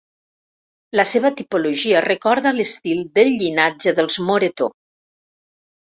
La seva tipologia recorda l'estil del llinatge dels Moretó.